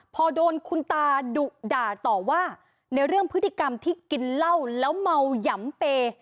พอโดนคุณตาดุด่าต่อว่าในเรื่องพฤติกรรมที่กินเหล้าแล้วเมาหย่ำเปย์